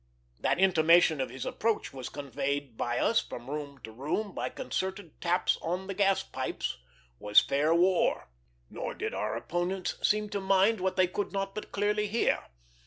That intimation of his approach was conveyed by us from room to room by concerted taps on the gas pipes was fair war; nor did our opponents seem to mind what they could not but clearly hear.